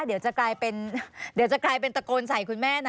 เดี๋ยวจะกลายเป็นตะโกนใส่คุณแม่นะ